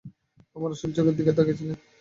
আমার আসল চোখের দিকে তাকিয়ে-ছিলেন।